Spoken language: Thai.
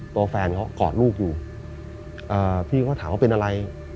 ตัวแฟนเขากอดลูกอยู่พี่ก็ถามว่าเป็นอะไร